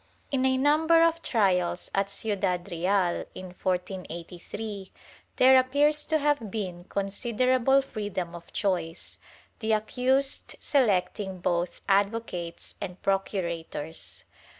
In a num ber of trials at Ciudad Real, in 1483, there appears to have been considerable freedom of choice, the accused selecting both advo cates and procurators.